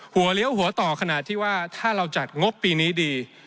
เลี้ยวหัวต่อขนาดที่ว่าถ้าเราจัดงบปีนี้ดี